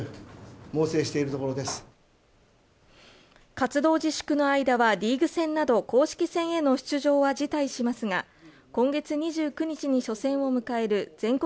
活動自粛の間はリーグ戦など公式戦への出場は辞退しますが、今月２９日に初戦を迎える全国